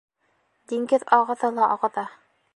Диңгеҙ ағыҙа ла ағыҙа.